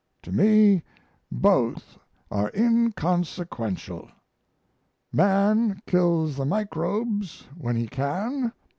To me both are inconsequential. Man kills the microbes when he can?